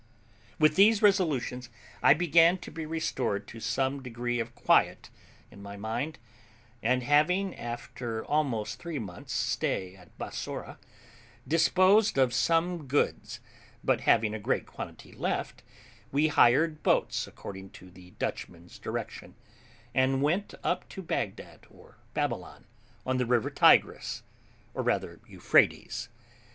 With these resolutions I began to be restored to some degree of quiet in my mind; and having, after almost three months' stay at Bassorah, disposed of some goods, but having a great quantity left, we hired boats according to the Dutchman's direction, and went up to Bagdad, or Babylon, on the river Tigris, or rather Euphrates.